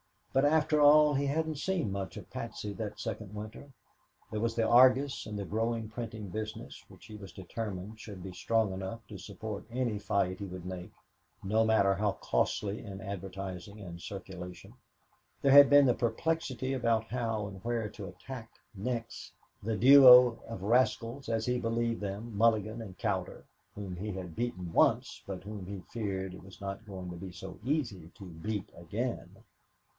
But, after all, he hadn't seen much of Patsy that second winter. There was the Argus and the growing printing business which he was determined should be strong enough to support any fight he would make, no matter how costly in advertising and circulation; there had been the perplexity about how and where to attack next the duo of rascals, as he believed them, Mulligan and Cowder, whom he had beaten once, but whom he feared it was not going to be so easy to beat again.